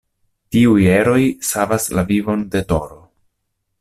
Tiuj eroj savas la vivon de Toro.